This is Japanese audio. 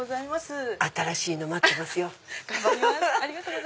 新しいの待ってますよ。